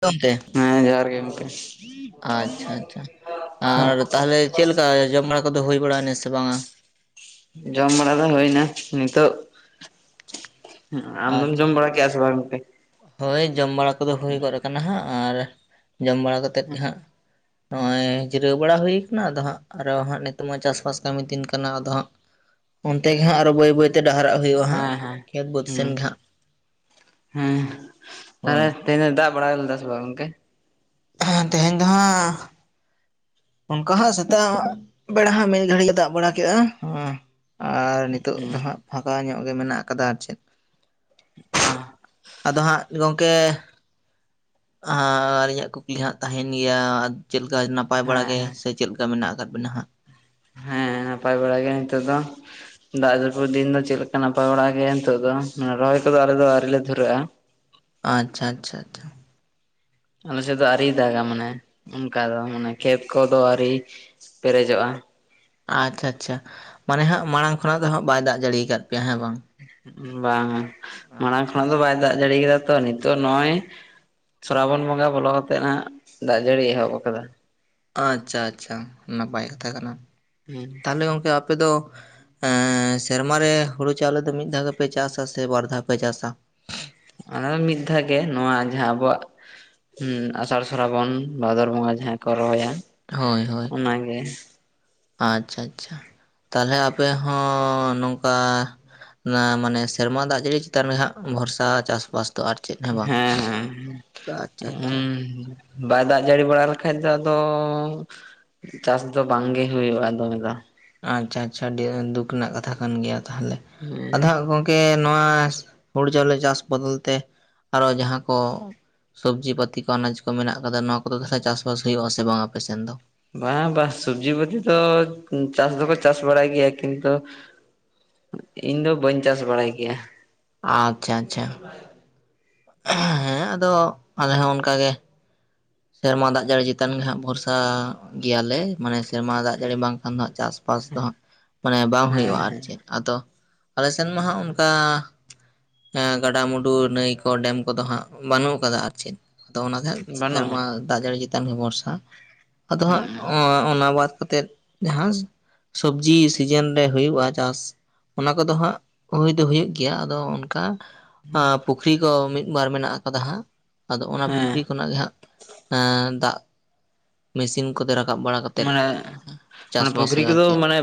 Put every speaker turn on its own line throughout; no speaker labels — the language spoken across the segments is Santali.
ᱜᱚᱝᱠᱮ
ᱦᱮᱸ ᱡᱚᱦᱟᱨ ᱜᱮ ᱜᱚᱝᱠᱮ
ᱟᱪᱪᱷᱟ ᱟᱪᱪᱷᱟ ᱟᱨ ᱛᱟᱦᱚᱞᱮ ᱪᱮᱫ ᱞᱮᱠᱟ ᱡᱚᱢ ᱵᱟᱲᱟ ᱠᱚᱫᱚ ᱦᱩᱭ ᱵᱟᱲᱟᱭᱱᱟ ᱥᱮ ᱵᱟᱝᱟ
ᱡᱚᱢ ᱵᱟᱲᱟ ᱫᱚ ᱦᱩᱭᱱᱟ ᱱᱤᱛᱚᱜ ᱟᱢ ᱫᱚᱢ
ᱟᱪᱪᱷᱟ
ᱡᱚᱢ ᱵᱟᱲᱟ ᱠᱮᱜ-ᱟ ᱥᱮ ᱵᱟᱝ ᱜᱟᱝᱠᱮ?
ᱦᱳᱭ ᱡᱚᱢ ᱵᱟᱲᱟ ᱠᱚᱫᱚ ᱦᱩᱭ ᱜᱚᱫ ᱠᱟᱱᱟ ᱦᱟᱸᱜ ᱟᱨ ᱡᱚᱢ ᱵᱟᱲᱟ ᱠᱟᱛᱮᱫ ᱦᱟᱸᱜ ᱱᱚᱜᱼᱚᱭ ᱡᱤᱨᱟᱹᱣ ᱵᱟᱲᱟ ᱦᱩᱭ ᱠᱟᱱᱟ ᱟᱫᱚ ᱦᱟᱸᱜ ᱟᱨᱚ ᱦᱟᱸᱜ ᱱᱤᱛᱚᱜ ᱢᱟ ᱪᱟᱥᱵᱟᱥ ᱠᱟᱹᱢᱤ ᱫᱤᱱ ᱠᱟᱱᱟ ᱟᱫᱚ ᱦᱟᱸᱜ ᱚᱱᱛᱮ ᱜᱮᱦᱟᱸᱜ ᱟᱨᱚ ᱵᱟᱹᱭ ᱵᱟᱹᱭᱛᱮ ᱰᱟᱦᱟᱨᱟᱜ ᱦᱩᱭᱩᱜᱼᱟ᱾ ᱦᱟᱸᱜ
ᱦᱮᱸ ᱦᱮᱸ
ᱠᱷᱮᱛ ᱵᱟᱹᱫᱽ ᱥᱮᱱ
ᱦᱩᱸ
ᱜᱮ ᱦᱟᱸᱜ
ᱦᱮᱸ
ᱦᱳᱭ
ᱛᱟᱦᱟᱞᱮ ᱫᱟᱜ ᱵᱟᱲᱟ ᱞᱮᱫᱭ ᱥᱮ ᱵᱟᱝ? ᱜᱚᱝᱠᱮ
ᱛᱮᱦᱮᱧ ᱫᱚ ᱦᱟᱸᱜ ᱚᱱᱠᱟ ᱦᱟᱸᱜ ᱥᱮᱛᱟᱜ ᱵᱮᱲᱟ ᱦᱟᱸᱜ ᱢᱤᱫ ᱜᱷᱟᱹᱲᱤ ᱫᱟᱜ ᱵᱟᱲᱟ ᱠᱮᱜ-ᱟ ᱚᱸᱻᱼᱼ ᱟᱨ ᱱᱤᱛᱚᱜ ᱫᱚ
ᱦᱩᱸ
ᱦᱟᱸᱜ ᱯᱷᱟᱠᱟ ᱧᱚᱜ ᱜᱮ ᱢᱮᱱᱟᱜ ᱟᱠᱟᱫᱟ᱾ ᱟᱨ ᱪᱮᱫ?
ᱟᱦᱟᱸ᱾
ᱟᱫᱚ ᱦᱟᱸᱜ ᱜᱚᱝᱠᱮᱼᱼ ᱦᱟᱸᱻᱟᱨ ᱤᱧᱟᱹᱜ ᱠᱩᱠᱞᱤ ᱦᱟᱸᱜ ᱛᱟᱦᱮᱱ ᱜᱮᱭᱟ ᱟᱨ ᱪᱮᱜ ᱞᱮᱠᱟ ᱱᱟᱯᱟᱭ ᱵᱟᱲᱟ
ᱦᱮᱸ
ᱜᱮ
ᱦᱮᱸ
ᱥᱮᱼᱼ ᱪᱮᱫ ᱞᱮᱠᱟ ᱢᱮᱱᱟᱜ ᱟᱠᱟᱫ ᱵᱮᱱᱟ ᱦᱟᱸᱜ?
ᱦᱮᱸ ᱱᱟᱯᱟᱭ ᱵᱟᱲᱟ ᱜᱮ ᱱᱤᱛᱚᱜ ᱫᱚ᱾ ᱫᱟᱜ ᱡᱟᱹᱯᱩᱜ ᱫᱤᱱ ᱫᱚ ᱪᱮᱜ ᱞᱮᱠᱟ ᱱᱟᱯᱟᱭ ᱵᱟᱲᱟ ᱜᱮ ᱱᱤᱛᱚᱜ ᱫᱚ ᱢᱟᱱᱮ ᱨᱚᱦᱚᱭ ᱠᱚᱫᱚ ᱟᱞᱮ ᱫᱚ ᱟᱨᱤ ᱞᱮ ᱫᱷᱩᱨᱟᱹᱜ-ᱟ᱾
ᱟᱪᱪᱷᱟ ᱟᱪᱪᱷᱟ ᱟᱪᱪᱷᱟ᱾
ᱟᱞᱮ ᱥᱮᱜ ᱫᱚ ᱟᱹᱨᱤᱭ ᱫᱟᱜᱟ ᱢᱟᱱᱮ ᱚᱱᱠᱟ ᱫᱚ ᱢᱟᱱᱮ ᱠᱷᱮᱛ ᱠᱚᱫᱚ ᱟᱣᱨᱤ ᱯᱮᱨᱮᱡᱚᱜ-ᱟ᱾
ᱟᱪᱪᱷᱟ ᱟᱪᱪᱷᱟ ᱢᱟᱱᱮ ᱦᱟᱸᱜ ᱢᱟᱬᱟᱝ ᱠᱷᱚᱱᱟᱜ ᱫᱚ ᱦᱟᱸᱜ ᱵᱟᱭ ᱫᱟᱜ ᱡᱟᱹᱲᱤᱭ ᱠᱟᱫ ᱯᱮᱭᱟ ᱦᱮᱸ ᱵᱟᱝ?
ᱩᱸ ᱵᱟᱝ-ᱟ ᱢᱟᱬᱟᱝ
ᱟᱪᱪᱷᱟ
ᱠᱷᱚᱱᱟᱜ ᱫᱚ ᱵᱟᱭ ᱫᱟᱜ ᱡᱟᱹᱲᱤᱭ ‌ᱠᱟᱫᱼᱼ ᱛᱚ ᱱᱤᱛᱚᱜ ᱱᱚᱜ-ᱚᱭ ᱥᱚᱨᱟᱵᱚᱱ ᱵᱚᱸᱜᱟ ᱵᱚᱞᱚ ᱠᱟᱛᱮᱜ ᱱᱟᱦᱟᱸᱜ ᱫᱟᱜ ᱡᱟᱹᱲᱤᱭ ᱮᱦᱚᱵ ᱠᱟᱫᱟ᱾
ᱟᱪᱪᱷᱟ ᱟᱪᱪᱷᱟ ᱱᱟᱯᱟᱭ ᱠᱟᱛᱷᱟ ᱠᱟᱱᱟ
ᱦᱮᱸ
ᱛᱟᱦᱚᱞᱮ ᱜᱚᱝᱠᱮ ᱟᱯᱮ ᱫᱚᱼᱼ ᱮᱸᱻ ᱥᱮᱨᱢᱟ ᱨᱮ ᱦᱩᱲᱩ ᱪᱟᱣᱞᱮ ᱫᱚ ᱢᱤᱫ ᱫᱷᱟᱣ ᱜᱮᱯᱮ ᱪᱟᱥᱟ ᱥᱮ ᱵᱟᱨ ᱫᱷᱟᱣ ᱯᱮ ᱪᱟᱥᱟ?
ᱚᱱᱟ ᱫᱚ ᱢᱤᱫ ᱫᱷᱟᱣ ᱜᱮ ᱱᱚᱣᱟ ᱡᱟᱦᱟᱸ ᱟᱵᱚᱣᱟᱜᱼᱼ ᱦᱩᱸ ᱟᱥᱟᱲ ᱥᱚᱨᱟᱵᱚᱱ ᱵᱷᱟᱫᱚᱨ ᱵᱚᱸᱜᱟ ᱡᱟᱦᱟᱸᱭ ᱠᱚ ᱨᱚᱦᱚᱭᱟ᱾
ᱦᱳᱭ ᱦᱳᱭ᱾
ᱚᱱᱟᱜᱮ
ᱟᱪᱪᱷᱟ ᱟᱪᱪᱷᱟ ᱛᱟᱞᱦᱮ ᱟᱯᱮ ᱦᱚᱸ ᱱᱚᱝᱠᱟᱼᱼ ᱱᱟ ᱢᱟᱱᱮ ᱥᱮᱨᱢᱟ ᱫᱟᱜ ᱡᱟᱹᱲᱤ ᱪᱮᱛᱟᱱ ᱨᱮ ᱦᱟᱸᱜ ᱵᱷᱚᱨᱥᱟ ᱪᱟᱥᱵᱟᱥᱼᱼ ᱛᱚ ᱟᱨ ᱪᱮᱫ ᱦᱚᱸ ᱵᱟᱝ, ᱛᱚ ᱟᱪᱪᱷᱟ ᱟᱪᱪᱷᱟ᱾
ᱩᱸ ᱦᱩᱸ᱾ ᱵᱟᱭ ᱫᱟᱜ ᱡᱟᱹᱲᱤ ᱵᱟᱲᱟ ᱞᱮᱠᱷᱟᱡ ᱫᱚ ᱟᱫᱚᱼᱼ ᱪᱟᱥ ᱫᱚ ᱵᱟᱝ ᱜᱮ ᱦᱩᱭᱩᱜ-ᱟ ᱫᱚᱢᱮ ᱫᱚ᱾
ᱟᱪᱪᱷᱟ ᱟᱪᱪᱷᱟ ᱟᱹᱰᱤ ᱫᱩᱠ ᱨᱮᱱᱟᱜ ᱠᱟᱛᱷᱟ ᱠᱟᱱ ᱜᱮᱭᱟ ᱛᱟᱦᱚᱞᱮ ᱟᱫᱚ
ᱦᱮᱸ
ᱦᱟᱸᱜ ᱜᱚᱝᱼᱼ ᱠᱮ ᱱᱚᱣᱟ ᱦᱩᱲᱩ ᱪᱟᱣᱞᱮ ᱪᱟᱥ ᱵᱚᱫᱚᱞ ᱛᱮ ᱟᱨᱚ ᱡᱟᱦᱟᱸ ᱠᱚᱼᱼ ᱥᱚᱵᱽᱡᱤ ᱯᱟᱹᱛᱤ ᱠᱚ ᱟᱱᱟᱡᱽ ᱠᱚ ᱢᱮᱱᱟᱜ ᱠᱟᱫᱟ ᱱᱚᱣᱟ ᱠᱚᱫᱚ ᱛᱟᱦᱚᱞᱮ ᱪᱟᱥᱵᱟᱥ ᱦᱩᱭᱩᱜ-ᱟ ᱥᱮ ᱵᱟᱝ ᱟᱯᱮ ᱥᱮᱱ ᱫᱚ?
ᱵᱟᱝ ᱵᱟ ᱥᱩᱵᱽᱡᱤ ᱯᱟᱛᱤ ᱫᱚ ᱩᱸ ᱪᱟᱥ ᱫᱚᱠᱚ ᱪᱟᱥ ᱵᱟᱲᱟᱭ ᱜᱮᱭᱟ ᱠᱤᱱᱛᱩᱼᱼ ᱩᱸᱜ ᱤᱧ ᱫᱚ ᱵᱟᱹᱧ ᱪᱟᱥ ᱵᱟᱲᱟᱭ ᱜᱮᱭᱟ᱾
ᱟᱪᱪᱷᱟ ᱟᱪᱪᱷᱟ᱾ ᱦᱮᱸ ᱟᱫᱚ ᱟᱞᱮ ᱦᱚᱸ ᱚᱱᱠᱟ ᱜᱮ᱾ ᱥᱮᱨᱢᱟ ᱫᱟᱜ ᱡᱟᱹᱲᱤ ᱪᱮᱛᱟᱱ ᱜᱮ ᱦᱟᱸᱜ ᱵᱷᱚᱨᱥᱟ ᱜᱮᱭᱟ ᱞᱮ ᱢᱟᱱᱮ ᱥᱮᱨᱢᱟ ᱫᱟᱜ ᱡᱟᱹᱲᱤ ᱵᱟᱝᱠᱷᱟᱱ ᱫᱚ ᱦᱟᱸᱜ ᱪᱟᱥᱼᱼ ᱯᱟᱥ ᱫᱚ ᱦᱟᱸᱜ ᱢᱟᱱᱮ ᱵᱟᱝ
ᱦᱮᱸ
ᱦᱩᱭᱩᱜ-ᱟ ᱟᱨ
ᱦᱮᱸ
ᱪᱮᱫ ᱟᱫᱚ ᱟᱞᱮ ᱥᱮᱱ ᱢᱟ ᱦᱟᱸᱜ ᱚᱱᱠᱟᱼᱼ ᱮᱸᱻ ᱜᱟᱰᱟ ᱢᱩᱰᱩ ᱱᱟᱹᱭ ᱠᱚ ᱰᱮᱢ ᱠᱚᱫᱚ ᱦᱟᱸᱜ ᱵᱟᱱᱩᱜ ᱠᱟᱫᱟ ᱟᱨ ᱪᱮᱫ ᱟᱫᱚ ᱚᱱᱟ ᱛᱮ ᱦᱟᱸᱜᱼᱼ
ᱵᱟᱹᱱᱩᱜᱼᱟ
ᱫᱟᱜ ᱡᱟᱹᱲᱤ ᱪᱮᱛᱟᱱ ᱜᱮ ᱵᱚᱨᱥᱟ ᱟᱫᱚ ᱦᱟᱸᱜ ᱚᱸ ᱚᱱᱟ ᱵᱟᱫ ᱠᱟᱛᱮᱜᱼᱼ ᱡᱟᱦᱟᱸ ᱥᱚᱵᱽᱡᱤ ᱥᱤᱡᱤᱱ ᱨᱮ ᱦᱩᱭᱩᱜ-ᱟ ᱪᱟᱥᱼᱼ ᱚᱱᱟ ᱠᱚᱫᱚ ᱦᱟᱸᱜ ᱦᱩᱭ ᱫᱚ ᱦᱩᱭᱩᱜ ᱜᱮᱭᱟ ᱟᱫᱚ ᱚᱱᱠᱟᱼᱼ ᱟᱸᱻ ᱯᱩᱠᱷᱨᱤ ᱠᱚ ᱢᱤᱜ ᱵᱟᱨ ᱢᱮᱱᱟᱜ ᱟᱠᱟᱫᱟ ᱦᱟᱸᱜ ᱟᱫᱚ ᱚᱱᱟ
ᱦᱮᱸ
ᱯᱩᱠᱷᱨᱤ ᱠᱷᱚᱱᱟᱜ ᱜᱮ ᱦᱟᱸᱜᱼᱼ ᱮᱸ ᱫᱟᱜᱼᱼ ᱢᱤᱥᱤᱱ ᱠᱚᱛᱮ ᱨᱟᱠᱟᱵ ᱵᱟᱲᱟ ᱠᱟᱛᱼᱼ
ᱢᱟᱱᱮᱼᱼ ᱢᱟᱱᱮ ᱯᱩᱠᱷᱨᱤ ᱠᱚᱫᱚ
ᱪᱮᱫ
ᱢᱟᱱᱮ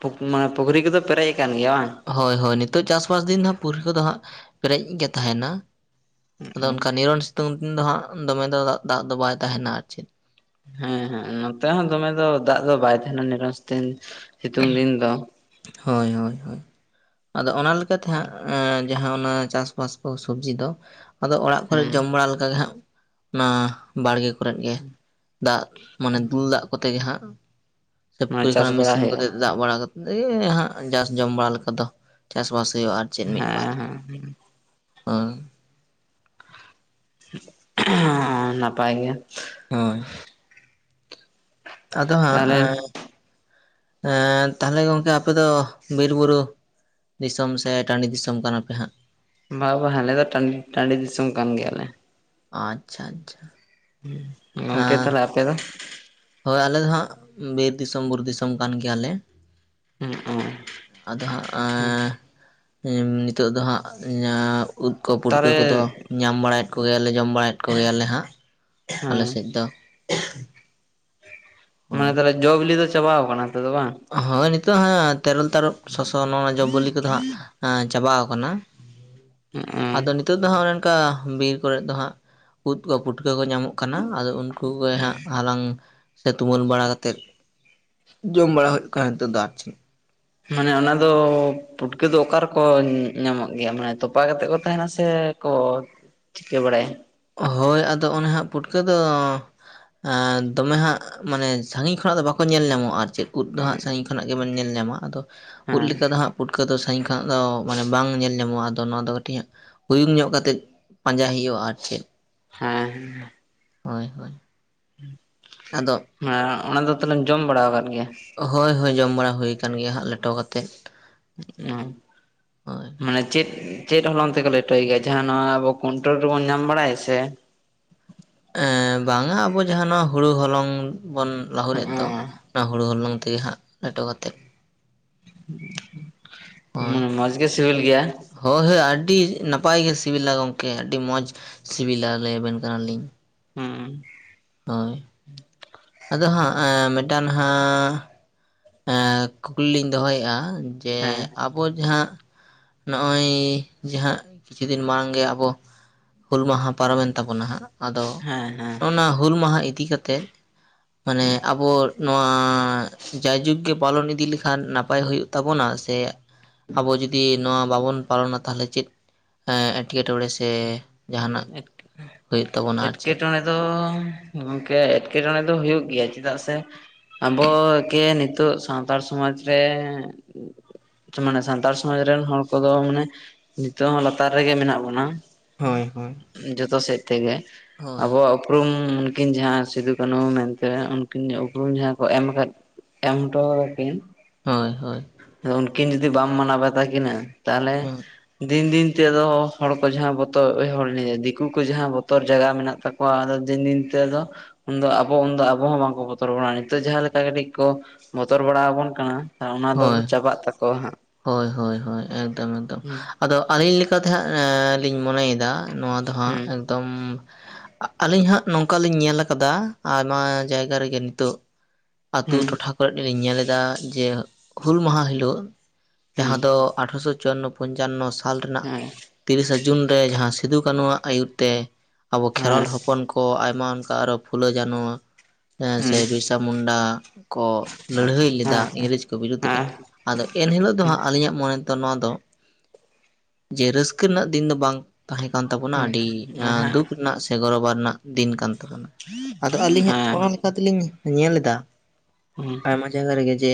ᱯᱩᱠ ᱢᱟᱱᱮ ᱯᱩᱠᱷᱨᱤ ᱠᱚᱫᱚ ᱯᱮᱨᱮᱡ ᱟᱠᱟᱱ ᱜᱮᱭᱟ ᱵᱟᱝ?
ᱦᱚᱭ ᱦᱚᱭ ᱱᱤᱛᱚᱜ ᱪᱟᱥᱵᱟᱥ ᱫᱤᱱ ᱦᱟᱸᱜ ᱯᱩᱨᱠᱷᱨᱤ ᱫᱚ ᱦᱟᱸᱜ ᱯᱮᱨᱮᱡ ᱜᱮ ᱛᱟᱦᱮᱱᱟ᱾ ᱟᱫᱚ ᱚᱱᱠᱟ ᱱᱤᱨᱚᱱ ᱥᱤᱛᱩᱝ ᱫᱤᱱ ᱫᱚ ᱦᱟᱸᱜ ᱚᱸ ᱫᱚᱢᱮ ᱫᱚ ᱫᱟᱜ ᱫᱚ ᱵᱟᱭ ᱛᱟᱦᱮᱱᱟ ᱟᱨ ᱪᱮᱫ᱾
ᱦᱮᱸ ᱦᱮᱸ ᱱᱚᱛᱮ ᱦᱚᱸ ᱫᱚᱢᱮ ᱫᱚ ᱫᱟᱜ ᱫᱚ ᱵᱟᱭ ᱛᱟᱦᱮᱱᱟ ᱱᱤᱨᱚᱱ ᱥᱤᱛᱩᱝ ᱥᱤᱛᱩᱝ ᱫᱤᱱ ᱫᱚ᱾
ᱦᱳᱭ ᱦᱳᱭ ᱦᱳᱭ ᱟᱫᱚ ᱚᱱᱟ ᱞᱮᱠᱟ ᱛᱮ ᱦᱟᱸᱜ ᱮᱸᱼᱼ ᱡᱟᱦᱟᱸ ‌ᱚᱱᱟ ᱪᱟᱥᱵᱟᱥ ᱠᱚ ᱥᱚᱵᱽᱡᱤ ᱫᱚ ᱟᱫᱚ ᱚᱲᱟᱜ ᱠᱚᱨᱮ
ᱦᱮᱸ
ᱡᱚᱢ ᱵᱟᱲᱟ ᱞᱮᱠᱟ ᱜᱮ ᱦᱟᱸᱜᱼᱼ ᱚᱱᱟ ᱵᱟᱲᱜᱮ ᱠᱚᱨᱮᱫ ᱜᱮ ᱫᱟᱜ ᱢᱟᱱᱮ ᱫᱩᱞ ᱫᱟᱜ ᱠᱚᱛᱮ ᱜᱮ ᱦᱟᱸᱜᱼᱼ ᱥᱮ
ᱱᱚᱣᱟ
ᱯᱩᱠᱷᱨᱤ
ᱪᱟᱥ
ᱠᱷᱚᱱᱟᱜ
ᱵᱟᱲᱟ
ᱢᱤᱥᱤᱱ
ᱦᱩᱭᱩᱜᱼᱟ
ᱠᱚᱛᱮᱜᱼᱼ ᱫᱟᱜ ᱵᱟᱲᱟ ᱠᱟᱛᱮᱜ ᱜᱮ ᱦᱟᱸᱜ ᱡᱟᱥ ᱡᱚᱢ ᱵᱟᱲᱟ ᱞᱮᱠᱟ ᱫᱚ ᱪᱟᱥᱵᱟᱥ ᱦᱩᱭᱩᱜ-ᱟ ᱟᱨᱼᱼ ᱪᱮᱫ ᱢᱤᱫ ᱵᱟᱨ
ᱦᱮᱸ
ᱟᱸ
ᱱᱟᱯᱟᱭ ᱜᱮ
ᱦᱳᱭ ᱟᱫᱚ ᱦᱟᱸᱜ
ᱛᱟᱦᱚᱞᱮ
ᱛᱟᱦᱚᱞᱮ ᱜᱚᱢᱠᱮ ᱟᱯᱮ ᱫᱚ ᱵᱤᱨ ᱵᱩᱨᱩ ᱫᱤᱥᱚᱢ ᱥᱮ ᱴᱟᱺᱰᱤ ᱫᱤᱥᱚᱢ ᱠᱟᱱᱟᱯᱮ ᱦᱟᱸᱜ
ᱵᱟ ᱵᱟ ᱟᱞᱮ ᱫᱚ ᱴᱟᱺ ᱴᱟᱺᱰᱤ ᱫᱤᱥᱚᱢ ᱠᱟᱱ ᱜᱮᱭᱟ ᱞᱮ
ᱟᱪᱪᱷᱟ ᱟᱪᱪᱷᱟ
ᱜᱚᱝᱠᱮ
ᱟᱸ
ᱛᱟᱦᱚᱞᱮ ᱟᱯᱮ ᱫᱚ
ᱦᱳᱭ ᱟᱞᱮ ᱫᱚ ᱦᱟᱸᱜ ᱵᱤᱨ ᱫᱤᱥᱟᱹᱢ ᱵᱩᱨᱩ ᱫᱤᱥᱟᱹᱢ ᱠᱟᱱ ᱜᱮᱭᱟ ᱞᱮ
ᱦᱮᱸ
ᱟᱫᱚ ᱦᱟᱸᱜ ᱱᱤᱛᱳᱜ ᱫᱚ ᱦᱟᱸᱜ ᱩᱫ ᱠᱚ ᱯᱩᱴᱠᱟᱹ
ᱛᱟᱦᱚᱞᱮ
ᱠᱚᱫᱚ ᱧᱟᱢ ᱵᱟᱲᱟᱭᱮᱫ ᱠᱚ ᱜᱮᱭᱟᱞᱮ ᱡᱚᱢ ᱵᱟᱲᱟᱭᱮᱫ ᱠᱚ ᱜᱮᱭᱟᱞᱮ ᱦᱟᱸᱜ
ᱦᱮᱸ
ᱟᱞᱮ ᱥᱮᱫ ᱫᱚ
ᱢᱟᱱᱮ
ᱦᱳᱭ
ᱛᱟᱦᱚᱞᱮ ᱡᱚ ᱵᱤᱞᱤ ᱫᱚ ᱪᱟᱵᱟᱟᱣ ᱟᱠᱟᱱᱟ ᱛᱚ ᱵᱟᱝ
ᱦᱳᱭ ᱱᱤᱛᱚᱜ ᱦᱟᱸᱜ ᱛᱮᱨᱮᱞ ᱛᱟᱨᱚᱵ ᱥᱚᱥᱚ ᱱᱚᱜ-ᱚᱭ ᱱᱚᱣᱟ ᱡᱚ ᱵᱤᱞᱤ ᱠᱚᱫᱚ ᱦᱟᱸᱜ ᱪᱟᱵᱟᱣ ᱟᱠᱟᱱᱟ
ᱦᱮᱸ
ᱟᱫᱚ ᱱᱤᱛᱚᱜ ᱫᱚ ᱦᱟᱸᱜ ᱚᱱᱮ ᱚᱱᱠᱟ ᱵᱤᱨ ᱠᱚᱨᱮ ᱫᱚ ᱦᱟᱸᱜ ᱩᱫ ᱠᱚ ᱯᱩᱴᱠᱟᱹ ᱠᱚ ᱧᱟᱢᱚᱜ ᱠᱟᱱᱟ ᱟᱫᱚ ᱩᱱᱠᱩ ᱜᱮ ᱦᱟᱸᱜ ᱦᱟᱞᱟᱝ ᱥᱮ ᱛᱩᱢᱟᱹᱞ ᱵᱟᱲᱟ ᱠᱟᱛᱮᱫ ᱡᱚᱢ ᱵᱟᱲᱟ ᱦᱩᱭᱩᱜ ᱠᱟᱱᱟ ᱱᱤᱛᱚᱜ ᱫᱚ ᱟᱨ ᱪᱮᱫ
ᱢᱟᱱᱮ ᱚᱱᱟ ᱫᱚ ᱯᱩᱴᱠᱟᱹ ᱫᱚ ᱚᱠᱟ ᱨᱮᱠᱚ ᱧᱟᱢᱚᱜ ᱜᱮᱭᱟ ᱢᱟᱱᱮ ᱛᱚᱯᱟ ᱠᱟᱛᱮᱫ ᱠᱚ ᱛᱟᱦᱮᱱᱟ ᱥᱮ ᱠᱚ ᱪᱤᱠᱟᱹ ᱵᱟᱲᱟᱭᱟ
ᱦᱳᱭ ᱟᱫᱚ ᱚᱱᱮ ᱦᱟᱸᱜ ᱯᱩᱴᱠᱟᱹ ᱫᱚ ᱫᱚᱢᱮ ᱦᱟᱸᱜ ᱢᱟᱱᱮ ᱥᱟᱺᱜᱤᱧ ᱠᱷᱚᱱᱟᱜ ᱫᱚ ᱵᱟᱠᱚ ᱧᱮᱞ ᱧᱟᱢᱚᱜ-ᱟ ᱟᱨ ᱪᱮᱫ ᱩᱫ ᱫᱚ ᱦᱟᱸᱜ ᱥᱟᱺᱜᱤᱧ ᱠᱷᱚᱱᱟᱜ ᱜᱮᱵᱮᱱ ᱧᱮᱞ ᱧᱟᱢᱟ ᱟᱫᱚ ᱩᱫ
ᱦᱮᱸ
ᱞᱮᱠᱟ ᱫᱚ ᱦᱟᱸᱜ ᱯᱩᱴᱠᱟᱹ ᱫᱚ ᱥᱟᱺᱜᱤᱧ ᱠᱷᱚᱱᱟᱜ ᱫᱚ ᱢᱟᱱᱮ ᱵᱟᱝ ᱧᱮᱞ ᱧᱟᱢᱚᱜᱼᱟ ᱟᱫᱚ ᱱᱚᱣᱟ ᱫᱚ ᱠᱟᱹᱴᱤᱡ ᱦᱟᱸᱜ ᱩᱭᱩᱝ ᱧᱚᱜ ᱠᱟᱛᱮᱫ ᱯᱟᱸᱡᱟ ᱦᱩᱭᱩᱜᱼᱟ ᱟᱨ ᱪᱮᱫ
ᱦᱮᱸ
ᱦᱳᱭ ᱦᱳᱭ
[inaudible]
ᱟᱫᱚ
ᱦᱮᱸ ᱚᱱᱟ ᱫᱚ ᱛᱟᱦᱚᱞᱮᱢ ᱡᱚᱢ ᱵᱟᱲᱟ ᱟᱠᱟᱫ ᱜᱮᱭᱟ
ᱦᱳᱭ ᱦᱳᱭ ᱡᱚᱢ ᱵᱟᱲᱟ ᱦᱩᱭ ᱟᱠᱟᱱ ᱜᱮᱭᱟ ᱦᱟᱸᱜ ᱞᱮᱴᱚ ᱠᱟᱛᱮᱫ ᱦᱳᱭ
[unintelligible] ᱢᱟᱱᱮ ᱪᱮᱫ ᱪᱮᱫ ᱦᱚᱞᱚᱝ ᱛᱮᱠᱚ ᱞᱮᱴᱚᱭ ᱜᱮᱭᱟ ᱡᱟᱦᱟᱸ ᱱᱚᱣᱟ ᱟᱵᱚ ᱠᱚᱱᱴᱳᱞ ᱨᱮᱵᱚᱱ ᱧᱟᱢ ᱵᱟᱲᱟᱭ ᱥᱮ
ᱮᱸ ᱵᱟᱝ-ᱟ ᱟᱵᱚ ᱡᱟᱦᱟᱸ ᱱᱚᱣᱟ ᱦᱩᱲᱩ ᱦᱚᱞᱚᱝ ᱵᱚᱱ ᱞᱟᱹᱦᱩᱫ ᱮᱫ ᱫᱚ ᱚᱱᱟ ᱦᱩᱲᱩ ᱦᱚᱞᱚᱝ ᱛᱮᱜᱮ ᱦᱟᱸᱜ ᱞᱮᱴᱚ ᱠᱟᱛᱮᱫ ᱦᱳᱭ
ᱢᱚᱸᱡᱽ ᱜᱮ ᱥᱤᱵᱤᱞ ᱜᱮᱭᱟ
ᱦᱳᱭ ᱦᱳᱭ ᱟᱹᱰᱤ ᱱᱟᱯᱟᱭ ᱜᱮ ᱥᱤᱵᱤᱞᱟ ᱜᱚᱢᱠᱮ ᱟᱹᱰᱤ ᱢᱚᱡᱽ ᱥᱤᱵᱤᱞᱟ ᱞᱟᱹᱭ ᱟᱵᱮᱱ ᱠᱟᱱᱟᱞᱤᱧ
ᱦᱩᱸ
ᱦᱳᱭ ᱟᱫᱚ ᱦᱟᱸᱜ ᱢᱤᱫᱴᱟᱝ ᱦᱟᱸᱜ ᱮᱸ ᱠᱩᱠᱞᱤ ᱞᱤᱧ ᱫᱚᱦᱚᱭᱮᱜᱼᱟ ᱡᱮ
ᱦᱮᱸ
ᱟᱵᱚ ᱡᱟᱦᱟᱸ ᱱᱚᱜ-ᱚᱭ ᱡᱟᱦᱟᱸ ᱠᱤᱪᱷᱩ ᱫᱤᱱ ᱢᱟᱲᱟᱝ ᱜᱮ ᱟᱵᱚ ᱦᱩᱞ ᱢᱟᱦᱟ ᱯᱟᱨᱚᱢᱮᱱ ᱛᱟᱵᱚᱱᱟ ᱦᱟᱸᱜ ᱟᱫᱚ
ᱦᱮᱸ ᱦᱮᱸ
ᱚᱱᱟ ᱦᱩᱞ ᱢᱟᱦᱟ ᱤᱫᱤ ᱠᱟᱛᱮᱫ ᱢᱟᱱᱮ ᱟᱵᱚ ᱱᱚᱣᱟ ᱡᱟᱭ ᱡᱩᱜᱽ ᱜᱮ ᱯᱟᱞᱚᱱ ᱤᱫᱤ ᱞᱮᱠᱷᱟᱱ ᱱᱟᱯᱟᱭ ᱦᱩᱭᱩᱜ ᱛᱟᱵᱚᱱᱟ ᱥᱮ ᱟᱵᱚ ᱡᱩᱫᱤ ᱱᱚᱣᱟ ᱵᱟᱵᱚᱱ ᱯᱟᱞᱚᱱᱟ ᱛᱟᱦᱚᱞᱮ ᱪᱮᱫ ᱮᱴᱠᱮ-ᱴᱚᱬᱮ ᱥᱮ ᱡᱟᱦᱟᱱᱟᱜ ᱦᱩᱭᱩᱜ ᱛᱟᱵᱚᱱᱟ ᱟᱨ ᱪᱮᱫ
ᱮᱠᱴᱮ-ᱴᱚᱬᱮ ᱫᱚ ᱜᱚᱢᱠᱮ ᱮᱴᱠᱮ-ᱴᱚᱬᱮ ᱫᱚ ᱦᱩᱭᱩᱜ ᱜᱮᱭᱟ ᱪᱮᱫᱟᱜ ᱥᱮ ᱟᱵᱚ ᱡᱮ ᱱᱤᱛᱚᱜ ᱥᱟᱱᱛᱟᱲ ᱥᱚᱢᱟᱡᱽ ᱨᱮ ᱢᱟᱱᱮ ᱥᱟᱱᱛᱟᱲ ᱥᱚᱢᱟᱡᱽ ᱨᱮᱱ ᱦᱚᱲ ᱠᱚᱫᱚ ᱢᱟᱱᱮ ᱱᱤᱛᱚᱜ ᱦᱚᱸ ᱞᱟᱛᱟᱨ ᱨᱮᱜᱮ ᱢᱮᱱᱟᱜ ᱵᱚᱱᱟ
ᱦᱳᱭ ᱦᱳᱭ
ᱡᱚᱛᱚ ᱥᱮᱫ ᱛᱮᱜᱮ
ᱦᱳᱭ
ᱟᱵᱚᱣᱟᱜ ᱾ ᱩᱯᱨᱩᱢ ᱩᱱᱠᱤᱱ ᱡᱟᱦᱟᱸ ᱥᱤᱫᱩᱼ ᱠᱟᱹᱱᱦᱩ ᱢᱮᱱᱛᱮ ᱩᱱᱠᱤᱱ ᱩᱯᱨᱩᱢ ᱡᱟᱦᱟᱸ ᱠᱚ ᱮᱢ ᱟᱠᱟᱫ ᱮᱢᱴᱚ [unintelligible] ᱠᱤᱱ
ᱦᱳᱭ ᱦᱳᱭ
ᱟ ᱩᱱᱠᱤᱱ ᱡᱩᱫᱤ ᱵᱟᱢ ᱢᱟᱱᱟᱣ ᱵᱟᱛᱟ ᱠᱤᱱᱟᱹ ᱛᱟᱦᱚᱞᱮ
ᱦᱩᱸ
ᱫᱤᱱ ᱫᱤᱱ ᱛᱮᱫᱚ ᱦᱚᱲ ᱠᱚ ᱡᱟᱦᱟᱸ ᱵᱚᱛᱚᱨ ᱫᱤᱠᱩ ᱠᱚ ᱡᱟᱦᱟᱸ ᱵᱚᱛᱚᱨ ᱡᱟᱭᱜᱟ ᱢᱮᱱᱟᱜ ᱛᱟᱠᱚ ᱠᱚᱣᱟ ᱟᱫᱚ ᱫᱤᱱ ᱫᱤᱱ ᱛᱮ ᱫᱚ ᱩᱱᱫᱚ ᱟᱵᱚ ᱩᱱᱫᱚ ᱟᱵᱚ ᱦᱚᱸ ᱵᱟᱝᱠᱚ ᱵᱚᱛᱚᱨ ᱵᱟᱲᱟᱜᱼᱟ ᱱᱤᱛᱚᱜ ᱡᱟᱦᱟᱸ ᱞᱮᱠᱟ ᱠᱟᱹᱴᱤᱡ ᱠᱚ ᱵᱚᱛᱚᱨ ᱵᱟᱲᱟ ᱟᱵᱚᱱ ᱠᱟᱱᱟ᱾ ᱦᱟ ᱚᱱᱟ ᱫᱚ
ᱦᱳᱭ
ᱪᱟᱵᱟᱜ ᱛᱟᱠᱚᱣᱟ ᱦᱟᱸᱜ
ᱦᱳᱭ ᱦᱳᱭ ᱮᱠᱫᱚᱢ ᱮᱠᱫᱚᱢ᱾
ᱦᱩᱸ
ᱟᱫᱚ ᱟᱹᱞᱤᱧ ᱞᱮᱠᱟᱛᱮ ᱦᱟᱸᱜ ᱞᱤᱧ ᱢᱚᱱᱮᱭᱮᱫᱟ ᱱᱚᱣᱟ ᱫᱚ ᱦᱟᱸᱜ
ᱦᱩᱸ
ᱮᱠᱫᱚᱢ ᱟᱹᱞᱤᱧ ᱦᱟᱸᱜ ᱱᱚᱝᱠᱟᱞᱤᱧ ᱧᱮᱞ ᱟᱠᱟᱫᱟ ᱟᱭᱢᱟ ᱡᱟᱭᱜᱟ ᱨᱮᱜᱮ ᱱᱤᱛᱚᱜ ᱟᱛᱳ
ᱦᱩᱸ
ᱴᱚᱴᱷᱟ ᱠᱚᱨᱮᱫ ᱞᱤᱧ ᱧᱮᱞᱮᱫᱟ ᱡᱮ ᱦᱩᱞ ᱢᱟᱦᱟ ᱦᱤᱞᱳᱜ
ᱦᱮᱸ
ᱡᱟᱦᱟᱸ ᱫᱚ ᱟᱴᱷᱨᱚᱥᱚ ᱪᱚᱣᱟᱱᱱᱚ ᱯᱚᱧᱪᱟᱱᱱᱚ ᱥᱟᱞ ᱨᱮᱱᱟᱜ᱾
ᱦᱮᱸ
ᱛᱤᱨᱤᱥᱟ ᱡᱩᱱ ᱨᱮ ᱡᱟᱦᱟᱸ ᱥᱤᱫᱩ ᱠᱟᱹᱱᱩᱣᱟᱜ ᱟᱹᱭᱩᱨ ᱛᱮ ᱟᱵᱚ ᱠᱷᱮᱨᱣᱟᱞ
ᱦᱮᱸ
ᱦᱚᱯᱚᱱ ᱠᱚ ᱠᱚ ᱟᱭᱢᱟ ᱚᱱᱠᱟ ᱟᱨᱚ ᱯᱷᱩᱞᱟᱹ ᱡᱟᱱᱚ ᱥᱮ ᱵᱤᱨᱥᱟ ᱢᱩᱱᱰᱟ ᱠᱚ ᱞᱟᱹᱲᱦᱟᱹᱭ ᱞᱮᱫᱟ ᱤᱝᱨᱮᱡᱽ ᱠᱚ ᱵᱤᱨᱩᱫᱽ ᱨᱮ ᱟᱫᱚ ᱮᱱᱦᱤᱞᱳᱜ ᱫᱚ ᱦᱟᱸᱜ ᱟᱹᱞᱤᱧᱟᱜ ᱢᱚᱱᱮ ᱫᱚ ᱱᱚᱣᱟ ᱫᱚ ᱡᱮ ᱨᱟᱹᱥᱠᱟᱹ ᱨᱮᱱᱟᱜ ᱫᱤᱱ ᱫᱚ ᱵᱟᱝ ᱛᱟᱦᱮᱸ ᱠᱟᱱ ᱛᱟᱵᱚᱱᱟ ᱟᱹᱰᱤ ᱫᱩᱠ ᱨᱮᱱᱟᱜ ᱥᱮ ᱜᱚᱨᱚᱵᱟ ᱨᱮᱱᱟᱜ ᱫᱤᱱ ᱠᱟᱱ ᱛᱟᱵᱚᱱᱟ᱾ ᱟᱫᱚ ᱟᱹᱞᱤᱧᱟᱜ ᱚᱱᱟ ᱞᱮᱠᱟ ᱛᱮᱞᱤᱧ ᱧᱮᱞ ᱮᱫᱟ ᱟᱭᱢᱟ ᱡᱟᱭᱜᱟ ᱨᱮᱜᱮ ᱡᱮ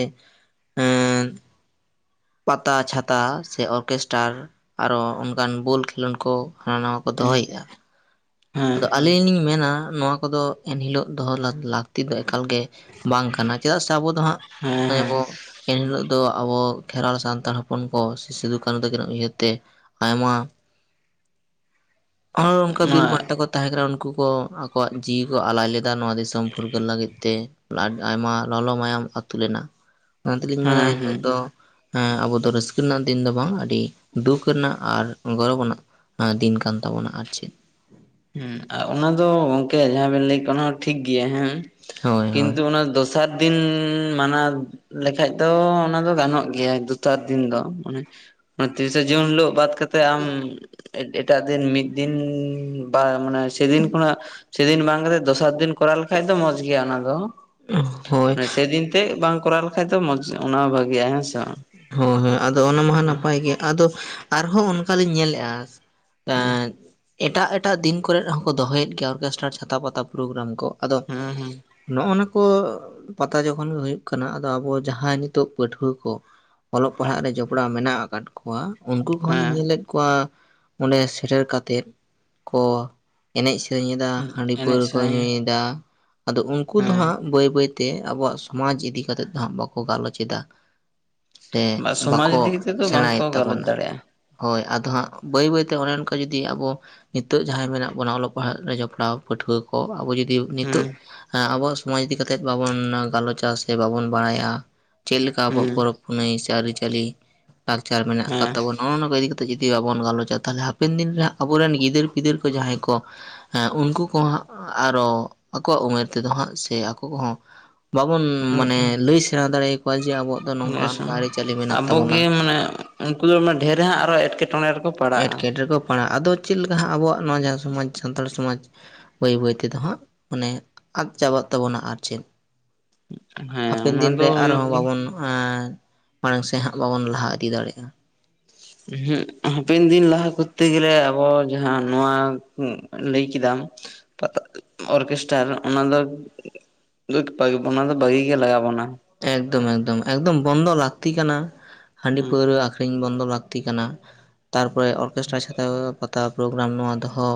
ᱟᱸ ᱯᱟᱛᱟ ᱪᱷᱟᱛᱟ ᱥᱮ ᱚᱨᱜᱮᱥᱴᱟᱨ ᱟᱨᱚ ᱚᱱᱠᱟᱱ ᱵᱚᱞ ᱠᱷᱮᱞᱳᱰ ᱠᱚ᱾ ᱦᱟᱱᱟ ᱱᱟᱣᱟ ᱠᱚ ᱫᱚᱦᱚᱭᱮᱫᱼᱟ ᱟᱫᱚ ᱟᱹᱞᱤᱧ ᱞᱤᱧ ᱢᱮᱱᱟ ᱱᱚᱣᱟ ᱠᱚᱫᱚ ᱮᱱᱦᱤᱞᱳᱜ ᱫᱚᱦᱚ ᱞᱟᱹᱠᱛᱤ ᱫᱚ ᱮᱠᱟᱞ ᱜᱮ ᱵᱟᱝ ᱠᱟᱱᱟ ᱪᱮᱫᱟᱜ ᱥᱮ ᱟᱵᱚ ᱫᱚ ᱦᱟᱸᱜ ᱱᱚᱜᱼᱚᱭ ᱵᱚ ᱮᱱᱦᱤᱞᱳᱜ ᱫᱚ ᱟᱵᱚ ᱠᱷᱮᱨᱣᱟᱞ ᱥᱟᱱᱛᱟᱲ ᱦᱚᱯᱚᱱ ᱠᱚ ᱥᱤᱫᱩ-ᱠᱟᱹᱱᱩ ᱛᱟᱹᱠᱤᱱᱟᱜ ᱩᱭᱦᱟᱹᱨ ᱛᱮ᱾ ᱟᱭᱢᱟ
[inaudible]
ᱟᱨ ᱚᱱᱠᱟ ᱵᱤᱨ ᱵᱟᱱᱴᱟ ᱠᱚ ᱛᱟᱦᱮᱸ ᱠᱟᱱᱟ ᱩᱱᱠᱩ ᱠᱚ ᱟᱠᱚᱣᱟᱜ ᱡᱤᱣᱤ ᱠᱚ ᱟᱞᱟᱭ ᱞᱮᱫᱟ ᱱᱚᱣᱟ ᱫᱤᱥᱚᱢ ᱯᱷᱩᱨᱜᱟᱹᱞ ᱞᱟᱹᱜᱤᱫ ᱛᱮ᱾ ᱟᱭᱢᱟ ᱞᱚᱞᱚ ᱢᱟᱭᱟᱢ ᱟᱹᱛᱩ ᱞᱮᱱᱟ ᱚᱱᱟ ᱛᱮᱞᱤᱧ ᱢᱮᱱᱟ ᱦᱤᱛᱳᱜ ᱦᱮᱸ ᱟᱵᱚ ᱫᱚ ᱨᱟᱹᱥᱠᱟᱹ ᱨᱮᱱᱟᱜ ᱫᱤᱱ ᱫᱚ ᱵᱟᱝ ᱟᱹᱰᱤ ᱫᱩᱠ ᱨᱮᱱᱟᱜ ᱟᱨ ᱜᱚᱨᱚᱵ ᱟᱱᱟᱜ᱾ ᱫᱤᱱ ᱠᱟᱱ ᱛᱟᱵᱚᱱᱟ ᱟᱨ ᱪᱮᱫ᱾
ᱦᱮᱸ ᱚᱱᱟ ᱫᱚ ᱜᱚᱝᱠᱮ ᱡᱟᱦᱟᱸ ᱵᱮᱱ ᱞᱟᱹᱭ ᱠᱮ ᱚᱱᱟ ᱴᱷᱤᱠ ᱜᱮᱭᱟ ᱦᱮᱸ
ᱦᱳᱭ ᱦᱳᱭ
ᱠᱤᱱᱛᱩ ᱚᱱᱟ ᱫᱚᱥ᱾ ᱥᱟᱛᱫᱤᱱ ᱢᱟᱱᱮ ᱞᱮᱠᱷᱟᱡ ᱫᱚ ᱚᱱᱟ ᱫᱚ ᱜᱟᱱᱚᱜ ᱜᱮᱭᱟ ᱫᱩᱛᱟᱨ ᱫᱤᱱ ᱫᱚ ᱢᱟᱱᱮ᱾ ᱛᱤᱥ ᱡᱩᱱ ᱦᱤᱞᱚᱜ ᱵᱟᱫ ᱠᱟᱛᱮ᱾ ᱟᱢ ᱮᱴᱟᱜ ᱫᱤᱱ ᱢᱤᱫ ᱫᱤᱱ ᱵᱟ ᱢᱟᱱᱮ ᱥᱮᱫᱤᱱ ᱠᱷᱚᱱᱟᱜ ᱥᱮᱫᱤᱱ ᱵᱟᱝ ᱠᱟᱛᱮ ᱫᱚᱥᱟᱨ ᱫᱤᱱ ᱠᱚᱨᱟᱣ ᱞᱮᱠᱷᱟᱡ ᱫᱚ ᱢᱚᱸᱡᱽ ᱜᱮᱭᱟ ᱚᱱᱟ ᱫᱚ᱾
ᱦᱳᱭ
ᱥᱮᱫᱤᱱ ᱛᱮ ᱵᱟᱝ ᱠᱚᱨᱟᱣ ᱞᱮᱠᱷᱟᱡ ᱫᱚ ᱢᱚᱡᱽ ᱚᱱᱟ ᱵᱷᱟᱜᱮᱼᱟ ᱦᱮᱸᱥᱮ᱾
ᱦᱳᱭ ᱦᱳᱭ ᱟᱫᱚ ᱚᱱᱟ ᱢᱟ ᱦᱟᱜ ᱱᱟᱯᱟᱭ ᱜᱮᱭᱟ ᱟᱫᱚ ᱟᱨᱦᱚᱸ ᱚᱱᱠᱟᱞᱤᱧ ᱧᱮᱞᱮᱜᱼᱟ᱾
ᱦᱩᱸ
ᱮᱴᱟᱜ ᱮᱴᱟᱜ ᱫᱤᱱ ᱠᱚᱨᱮ ᱦᱚᱸᱠᱚ ᱫᱚᱦᱚᱭᱮᱫ ᱜᱮᱭᱟ ᱚᱨᱠᱮᱥᱴᱟᱨ ᱪᱷᱟᱛᱟ ᱯᱟᱛᱟ ᱯᱨᱳᱜᱨᱟᱢ ᱠᱚ᱾ ᱟᱫᱚ
ᱦᱩᱸ ᱦᱩᱸ
ᱱᱚᱜ ᱱᱚᱣᱟ ᱠᱚ ᱯᱟᱛᱟ ᱡᱚᱠᱷᱚᱱ ᱜᱮ ᱦᱩᱭᱩᱜ ᱠᱟᱱᱟ ᱟᱫᱚ ᱟᱵᱚ ᱡᱟᱦᱟᱸᱭ ᱱᱤᱛᱚᱜ ᱯᱟᱹᱴᱷᱣᱟᱹ ᱠᱚ᱾ ᱚᱞᱚᱜ ᱯᱟᱲᱦᱟᱜ ᱨᱮ ᱡᱚᱯᱲᱟᱣ ᱢᱮᱱᱟᱜ ᱟᱠᱟᱫ ᱠᱚᱣᱟ ᱩᱱᱠᱩ
ᱦᱩᱸ
ᱠᱚᱦᱚᱸ ᱞᱮᱧ ᱧᱮᱞᱮᱫ ᱠᱚᱣᱟ ᱚᱸᱰᱮ ᱥᱮᱴᱮᱨ ᱠᱟᱛᱮᱫ ᱠᱚ ᱮᱱᱮᱡ ᱥᱮᱨᱮᱧ ᱮᱫᱟ
ᱦᱮᱸ
ᱦᱟᱺᱰᱤ
ᱮᱱᱮᱡ
ᱯᱟᱹᱣᱨᱟᱹ ᱠᱚ
ᱥᱮᱨᱮᱧ
ᱧᱩᱭᱮᱫᱟ ᱟᱫᱚ ᱩᱱᱠᱩ ᱫᱚ
ᱦᱮᱸ
ᱦᱟᱸᱜ ᱵᱟᱹᱭ ᱵᱟᱹᱭ ᱛᱮ ᱟᱵᱚᱣᱟᱜ ᱥᱚᱢᱟᱡᱽ ᱤᱫᱤ ᱠᱟᱛᱮᱫ ᱫᱚ ᱦᱟᱸᱜ ᱵᱟᱠᱚ ᱜᱟᱞᱚᱪ ᱮᱟ᱾ ᱦᱮ
ᱵᱟ ᱥᱚᱢᱟᱡᱽ
ᱵᱟᱠᱚ
ᱤᱫᱤ ᱠᱟᱛᱮᱜ ᱫᱚ ᱵᱟᱝᱠᱚ
ᱥᱮᱲᱟᱭᱮᱫ
ᱜᱟᱞᱚᱪ
ᱛᱟᱵᱚᱱᱟ᱾
ᱫᱟᱲᱮᱭᱟᱜᱼᱟ
ᱦᱳᱭ ᱟᱫᱚ ᱦᱟᱸᱜ ᱵᱟᱹᱭ ᱵᱟᱹᱭᱛᱮ ᱚᱱᱮ ᱚᱱᱠᱟ ᱡᱩᱫᱤ ᱟᱵᱚ ᱱᱤᱛᱚᱜ ᱡᱟᱦᱟᱸᱭ ᱢᱮᱱᱟᱜ ᱵᱚᱱᱟ ᱚᱞᱚᱜ ᱯᱟᱲᱦᱟᱜ ᱨᱮ ᱡᱚᱯᱲᱟᱣ ᱯᱟᱹᱴᱷᱩᱣᱟᱹ ᱠᱚ ᱟᱵᱚ ᱡᱩᱫᱤ ᱱᱤᱛᱚᱜ
ᱦᱩᱸ
ᱟᱵᱚᱣᱟᱜ ᱥᱚᱢᱟᱡ ᱤᱫᱤ ᱠᱟᱛᱮᱜ ᱵᱟᱵᱚᱱ ᱜᱟᱞᱚᱪᱼᱟ ᱥᱮ ᱵᱟᱵᱚᱱ ᱵᱟᱲᱟᱭᱟ ᱪᱮᱫ ᱞᱮᱠᱟ ᱟᱵᱚᱣᱟᱜ
ᱦᱩᱸ
ᱯᱚᱨᱚᱵᱽ ᱯᱩᱱᱟᱹᱭ ᱥᱮ ᱟᱹᱨᱤᱪᱟᱹᱞᱤ ᱞᱟᱠᱪᱟᱨ ᱢᱮᱱᱟᱜ ᱟᱠᱟᱫ
ᱦᱮᱸ
ᱛᱟᱵᱚᱱᱟ ᱱᱚᱜᱼᱚ ᱱᱚᱣᱟ ᱠᱚ ᱤᱫᱤ ᱠᱟᱛᱮ ᱡᱩᱫᱤ ᱵᱟᱵᱚᱱ ᱜᱟᱞᱚᱪᱟ ᱛᱟᱦᱚᱞᱮ ᱦᱟᱯᱮᱱ ᱫᱤᱱ ᱨᱮ ᱟᱵᱚᱨᱮᱱ ᱜᱤᱫᱟᱹᱨ ᱯᱤᱫᱟᱹᱨ ᱠᱚ ᱡᱟᱦᱟᱸᱭ ᱠᱚ ᱦᱮᱸ ᱩᱱᱠᱩ ᱠᱚᱦᱟᱸᱜ ᱟᱨᱚ ᱟᱠᱚᱣᱟᱜ ᱩᱢᱮᱨ ᱛᱮᱫᱚ ᱦᱟᱸᱜ ᱥᱮ ᱟᱠᱚ ᱠᱚᱦᱚᱸ ᱵᱟᱵᱚᱱ ᱢᱟᱱᱮ ᱞᱟᱹᱭ ᱥᱮᱬᱟ ᱫᱟᱲᱮ ᱟᱠᱚᱣᱟ ᱡᱮ ᱟᱵᱚᱣᱟᱜ ᱫᱚ ᱱᱚᱝᱠᱟ
ᱦᱮᱥᱮ
ᱚᱱᱠᱟ ᱟᱹᱨᱤᱪᱟᱹᱞᱤ ᱢᱮᱱᱟᱜ ᱛᱟᱵᱚᱱᱟ
ᱟᱵᱚᱜᱮ ᱢᱟᱱᱮ ᱩᱱᱠᱩ ᱫᱚ ᱰᱷᱮᱨ ᱦᱟᱸᱜ ᱟᱨᱚ ᱮᱴᱠᱮᱴᱚᱬᱮ ᱨᱮᱠᱚ ᱯᱟᱲᱟᱜᱼᱟ
ᱮᱴᱠᱮᱴᱮ ᱠᱚ ᱯᱟᱲᱟᱜᱼᱟ ᱟᱫᱚ ᱪᱮᱫ ᱞᱮᱠᱟ ᱦᱟᱸᱜ ᱟᱵᱚᱣᱟᱜ ᱱᱚᱣᱟ ᱡᱟᱦᱟᱸ ᱥᱚᱢᱟᱡᱽ ᱥᱟᱱᱛᱟᱲ ᱥᱚᱢᱟᱡᱽ ᱵᱟᱹᱭ ᱵᱟᱹᱭ ᱛᱮᱫᱚ ᱦᱟᱸᱜ ᱢᱟᱱᱮ ᱟᱫ ᱪᱟᱵᱟᱜ ᱛᱟᱵᱚᱱᱟ ᱟᱨ ᱪᱮᱫ
ᱦᱮᱸ
ᱦᱟᱯᱮᱱ
ᱚᱱᱟ
ᱫᱤᱱ
ᱫᱚ
ᱨᱮ
ᱦᱩᱭᱩᱜ
ᱟᱨᱦᱚᱸ
ᱜᱮ
ᱵᱟᱵᱚᱱ ᱟᱸ ᱢᱟᱲᱟᱝ ᱥᱮᱫ ᱦᱟᱸᱜ ᱵᱟᱵᱚᱱ ᱞᱟᱦᱟ ᱤᱫᱤ ᱫᱟᱲᱮᱭᱟᱜᱼᱟ
ᱦᱟᱯᱮᱱ ᱫᱤᱱ ᱞᱟᱦᱟ ᱠᱚᱛᱮ ᱜᱮᱞᱮ ᱟᱵᱚ ᱡᱟᱦᱟᱸ ᱱᱚᱣᱟ ᱞᱟᱹᱭ ᱠᱮᱫᱟᱢ ᱯᱟ ᱚᱨᱠᱮᱥᱴᱟᱨ ᱚᱱᱟ ᱫᱚ ᱵᱚ ᱚᱱᱟ ᱫᱚ ᱵᱷᱟᱹᱜᱤ ᱜᱮ ᱞᱟᱜᱟᱣ ᱵᱚᱱᱟ
ᱮᱠᱫᱚᱢ ᱮᱠᱫᱚᱢ ᱮᱠᱫᱚᱢ ᱵᱚᱱᱫᱚ ᱞᱟᱠᱛᱤ ᱠᱟᱱᱟ ᱦᱟᱺᱰᱤ
ᱦᱩᱸ
ᱯᱟᱹᱣᱨᱟᱹ ᱟᱠᱷᱨᱤᱧ ᱵᱚᱱᱫᱚ ᱞᱟᱠ ᱛᱤ ᱠᱟᱱᱟ ᱛᱟᱨᱯᱚᱨᱮ ᱚᱨᱠᱮᱥᱴᱨᱟ ᱪᱷᱟᱛᱟ ᱯᱟᱛᱟ ᱯᱚᱨᱚᱜᱟᱨᱟᱢ ᱱᱚᱣᱟ ᱫᱚᱦᱚ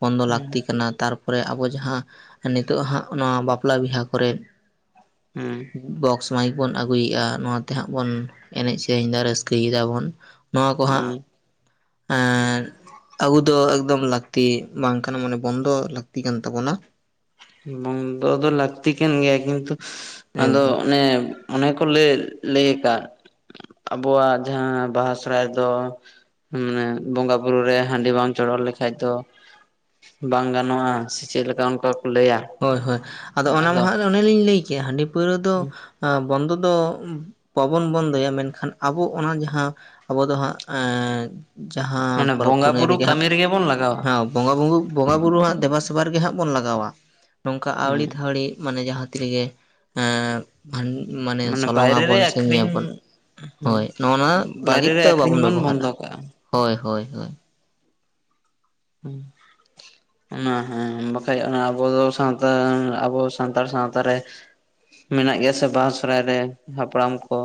ᱵᱚᱱᱫᱚ ᱞᱟᱠᱛᱤ ᱠᱟᱱᱟ ᱛᱟᱨᱯᱚᱨᱮ ᱟᱵᱚ ᱡᱟᱦᱟᱸ ᱱᱤᱛᱚᱜ ᱦᱟᱸᱜ ᱱᱚᱣᱟ ᱵᱟᱯᱞᱟ ᱵᱤᱦᱟ ᱠᱚᱨᱮ
ᱦᱩᱸ
ᱵᱚᱠᱥ ᱢᱟᱭᱤᱠ ᱵᱚᱱ ᱟᱹᱜᱩᱭᱮᱜᱼᱟ ᱱᱚᱣᱟᱛᱮᱦᱟᱸᱜ ᱵᱚᱱ ᱮᱱᱮᱡ ᱥᱮᱨᱮᱧ ᱫᱟ ᱨᱟᱹᱥᱠᱟᱹᱭ ᱫᱟᱵᱚᱱ ᱱᱚᱣᱟ ᱠᱚ ᱦᱟᱸᱜ
ᱦᱩᱸ
ᱟᱨ ᱟᱜᱩ ᱫᱚ ᱮᱠᱫᱚᱢ ᱞᱟᱠᱛᱤ ᱵᱟᱝ ᱠᱟᱱᱟ ᱢᱟᱱᱮ ᱵᱚᱱᱫᱚ ᱞᱟᱹᱠᱛᱤ ᱠᱟᱱ ᱛᱟᱵᱚᱱᱟ
ᱵᱟᱱᱫᱚ ᱫᱚ ᱞᱟᱹᱠᱛᱤ ᱠᱟᱱ ᱜᱮᱭᱟ ᱠᱤᱱᱛᱩ ᱟᱫᱚ
ᱮᱠᱫᱚᱢ
ᱚᱱᱮ ᱚᱱᱮ ᱠᱚ ᱞᱟᱹᱭ ᱞᱟᱹᱭ ᱟᱠᱟᱫ ᱟᱵᱚᱣᱟᱜ ᱡᱟᱦᱟᱸ ᱵᱟᱦᱟ ᱥᱚᱦᱨᱟᱭ ᱫᱚ ᱢᱟᱱᱮ ᱵᱚᱸᱜᱟ ᱵᱩᱨᱩ ᱨᱮ ᱦᱟᱺᱰᱤ ᱵᱟᱝ ᱪᱚᱰᱚᱨ ᱞᱮᱠᱷᱟᱡ ᱫᱚ ᱵᱟᱝ ᱜᱟᱱᱚᱜᱼᱟ ᱥᱮ ᱪᱮᱫᱞᱮᱠᱟ ᱚᱱᱠᱟ ᱠᱚ ᱞᱟᱹᱭᱟ
ᱦᱳᱭ ᱦᱳᱭ ᱟᱫᱚ ᱚᱱᱟ ᱢᱟᱦᱟ ᱨᱮ ᱚᱱᱮᱞᱤᱧ ᱞᱟᱹᱭ ᱠᱮᱜᱼᱟ ᱦᱟᱺᱰᱤ ᱯᱟᱹᱣᱨᱟᱹ ᱫᱚ ᱵᱚᱱᱫᱚ ᱫᱚ ᱵᱟᱵᱚᱱ ᱵᱚᱱᱫᱚᱭᱟ ᱢᱮᱱᱠᱷᱟᱱ ᱟᱵᱚ ᱚᱱᱟ ᱡᱟᱦᱟᱸ ᱟᱵᱚ ᱫᱚ ᱦᱟᱸᱜ ᱡᱟᱦᱟᱸ
ᱢᱟᱱᱮ
ᱯᱚᱨᱚᱵᱽ
ᱵᱚᱸᱜᱟ
ᱯᱩᱱᱟᱹᱭ
ᱵᱩᱨᱩ
ᱨᱮᱜᱮ ᱦᱟᱸᱜ
ᱠᱟᱹᱢᱤ ᱵᱚᱱ ᱞᱟᱜᱟᱣᱟ
ᱦᱮ ᱵᱚᱸᱜᱟ ᱵᱩ ᱵᱚᱸᱜᱟ ᱵᱩᱨᱩ ᱦᱟᱸ ᱫᱮᱵᱟᱼᱥᱮᱵᱟ ᱨᱜᱮ ᱦᱟᱸᱜ ᱵᱚᱱ ᱞᱟᱜᱟᱣᱟ ᱱᱚᱝᱠᱟ ᱟᱹᱣᱲᱤ
ᱦᱮᱸ
ᱛᱷᱟᱣᱲᱤ ᱢᱟᱱᱮ ᱡᱟᱦᱟᱸ ᱛᱤ ᱨᱮᱜᱮ ᱟᱱ ᱢᱟᱱᱮ ᱥᱚᱞᱚᱝ
ᱵᱟᱭᱨᱮ ᱨᱮ
ᱟᱵᱚᱱ ᱥᱮ
ᱟᱠᱷᱨᱤᱧ
ᱧᱩᱭᱟᱵᱚᱱ
ᱦᱮᱸ
ᱦᱳᱭ ᱱᱚᱜᱼᱱᱚᱣᱟ
ᱵᱟᱭᱨᱮ
ᱞᱟᱹᱜᱤᱫ
ᱨᱮ
ᱛᱮ
ᱟᱠᱷᱨᱤᱧ
ᱵᱟᱵᱚᱱ
ᱵᱚᱱ
ᱵᱮᱵᱚᱦᱟᱨᱟ
ᱵᱚᱱᱫᱚ ᱠᱟᱜᱼᱟ
ᱦᱳᱭ ᱦᱳᱭ
ᱦᱩᱸ ᱚᱱᱟ ᱦᱮᱸ ᱵᱟᱠᱷᱟᱡ ᱟᱵᱚ ᱫᱚ ᱥᱟᱶᱛᱟ ᱟᱵᱚ ᱥᱟᱱᱛᱟᱲ ᱥᱟᱶᱛᱟ ᱨᱮ ᱢᱮᱱᱟᱜ ᱜᱮᱭᱟ ᱥᱮ ᱵᱟᱦᱟ ᱥᱚᱦᱨᱟᱭ ᱨᱮ ᱦᱟᱯᱲᱟᱢ ᱠᱚ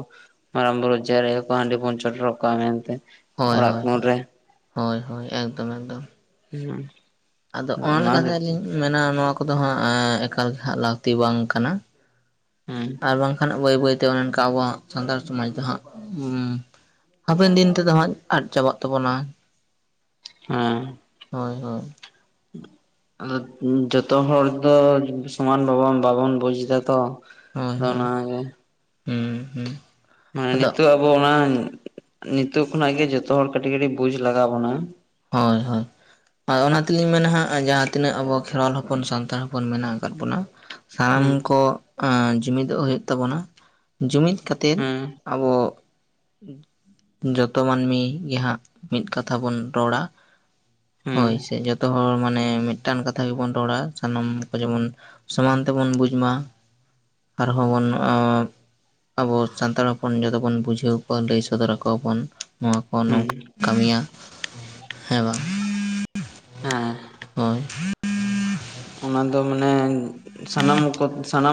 ᱢᱟᱨᱟᱜ ᱵᱩᱨᱩ ᱡᱟᱦᱮᱲ ᱟᱭᱳ ᱠᱚ ᱦᱟᱺᱰᱤ ᱵᱚᱱ ᱪᱚᱰᱚᱲ ᱟᱠᱚᱣᱟ ᱢᱮᱱᱛᱮ
ᱦᱳᱭ
ᱚᱲᱟᱜ
ᱦᱳᱭ
ᱠᱩᱱ ᱨᱮ
ᱦᱳᱭ ᱦᱳᱭ ᱮᱠᱫᱚᱢ ᱮᱠᱫᱚᱢ
ᱦᱩᱸ
ᱟᱫᱚ ᱚᱱᱟ ᱞᱮᱠᱟᱛᱮᱞᱤᱧ ᱢᱮᱱᱟ ᱱᱚᱣᱟ ᱠᱚᱫᱚ ᱦᱟᱸᱜ ᱮᱠᱟᱞ ᱦᱟᱸᱜ ᱞᱟᱹᱠᱛᱤ ᱵᱟᱝ ᱠᱟᱱᱟ
ᱦᱩᱸ
ᱟᱨ ᱵᱟᱝᱠᱷᱟᱱ ᱵᱟᱹᱭ ᱵᱟᱹᱭᱛᱮ ᱚᱱᱮ ᱚᱱᱠᱟ ᱟᱵᱚᱣᱟᱜ ᱥᱟᱱᱛᱟᱲ ᱥᱚᱢᱟᱡᱽ ᱫᱚ ᱦᱟᱸᱜ ᱦᱟᱯᱮᱱ ᱫᱤᱱ ᱛᱮᱫᱚ ᱦᱟᱸᱜ ᱟᱫ ᱪᱟᱵᱟᱜ ᱛᱟᱵᱚᱱᱟ
ᱦᱮᱸ
ᱦᱳᱭ ᱦᱳᱭ
ᱟᱫᱚ ᱡᱚᱛᱚ ᱦᱚᱲ ᱫᱚ ᱥᱚᱢᱟᱱ ᱵᱟᱵᱚᱱ ᱵᱟᱵᱚᱱ ᱵᱩᱡ ᱮᱫᱟ ᱛᱚ
ᱦᱳᱭ
ᱟᱫᱚ
ᱦᱳᱭ
ᱚᱱᱟᱜᱮ
ᱦᱩᱸ ᱦᱩᱸ
ᱢᱟᱱᱮ
ᱟᱫᱚ
ᱱᱤᱛᱚᱜ ᱟᱵᱚ ᱚᱱᱟ ᱱᱤᱛᱚᱜ ᱠᱷᱚᱱᱟᱜ ᱜᱮ ᱡᱚᱛᱚ ᱦᱚᱲ ᱠᱟᱹᱴᱤᱡ ᱠᱟᱹᱴᱤᱡ ᱵᱩᱡ ᱞᱟᱜᱟᱣ ᱵᱚᱱᱟ
ᱦᱳᱭ ᱦᱳᱭ ᱚᱱᱟ ᱛᱮᱞᱤᱧ ᱢᱮᱱᱟ ᱦᱟᱸᱜ ᱡᱟᱦᱟᱸ ᱛᱤᱱᱟᱹᱜ ᱟᱵᱚ ᱠᱷᱮᱨᱣᱟᱞ ᱦᱚᱯᱚᱱ ᱥᱟᱱᱛᱟᱲ ᱦᱚᱯᱚᱱ ᱢᱮᱱᱟᱜ ᱟᱠᱟᱫ ᱵᱚᱱᱟ ᱥᱟᱱᱟᱢ
ᱦᱮᱸ
ᱠᱚ ᱡᱩᱢᱤᱫᱚᱜ ᱦᱩᱭᱩᱜ ᱛᱟᱵᱚᱱᱟ ᱡᱩᱢᱤᱫ ᱠᱟᱛᱮᱫ
ᱦᱮᱸ
ᱟᱵᱚ ᱡᱚᱛᱚ ᱢᱟᱹᱱᱢᱤ ᱜᱮ ᱦᱟᱸᱜ ᱢᱤᱫ ᱠᱟᱛᱷᱟ ᱵᱚᱱ ᱨᱚᱲᱟ
ᱦᱮᱸ
ᱦᱳᱭ ᱥᱮ ᱡᱚᱛᱚ ᱦᱚᱲ ᱢᱟᱱᱮ ᱢᱤᱫᱴᱟᱱ ᱠᱟᱛᱷᱟ ᱜᱮᱵᱚᱱ ᱨᱚᱲᱟ ᱥᱟᱱᱟᱢ ᱠᱚ ᱡᱮᱢᱚᱱ ᱥᱚᱢᱟᱱ ᱛᱮᱵᱚᱱ ᱵᱩᱡ ᱢᱟ ᱟᱨᱦᱚᱸ ᱵᱚᱱ ᱚᱸᱻ ᱟᱵᱚ ᱥᱟᱱᱛᱟᱲ ᱦᱚᱯᱚᱱ ᱡᱚᱛᱚ ᱵᱚᱱ ᱵᱩᱡᱷᱟᱹᱣ ᱟᱠᱚᱣᱟ ᱞᱟᱹᱭ ᱥᱚᱫᱚᱨ ᱟᱠᱚᱣᱟ ᱵᱚᱱ ᱱᱚᱣᱟ ᱠᱚ
ᱦᱮᱸ
ᱱᱚᱝ ᱠᱟᱹᱢᱤᱭᱟ ᱦᱮᱸ ᱵᱟᱝ
ᱦᱮᱸ
ᱦᱳᱭ
ᱚᱱᱟ ᱫᱚ ᱢᱟᱱᱮ ᱥᱟᱱᱟᱢ ᱠᱚ ᱥᱟᱱᱟᱢ